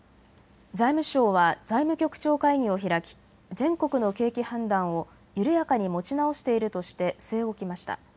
財務省は財務局長会議を開き全国の景気判断を緩やかに持ち直しているとして据え置きました。